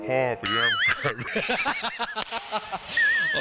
กัวพ่อไปแย่งแฟน